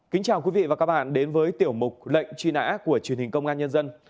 kính chào quý vị và các bạn đến với tiểu mục lệnh truy nã của truyền hình công an nhân dân